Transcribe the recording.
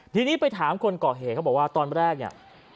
ทีนี้ไปถามคนก่อเหตุเขาบอกว่าตอนแรกเนี่ย